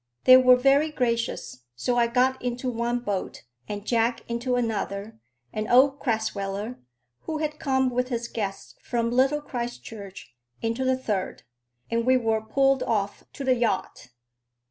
They were very gracious; so I got into one boat, and Jack into another, and old Crasweller, who had come with his guests from Little Christchurch, into the third; and we were pulled off to the yacht.